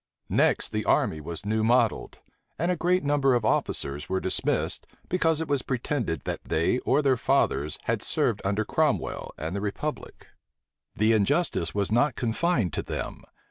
Next, the army was new modelled; and a great number of officers were dismissed, because it was pretended that they or their fathers had served under Cromwell and the republic. The injustice was not confined to them.